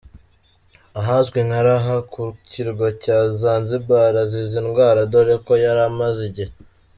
ahazwi nka Raha ku kirwa cya Zanzibar, azize indwara dore ko yari amaze igihe.